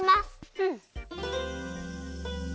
うん。